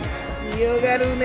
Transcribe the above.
強がるね。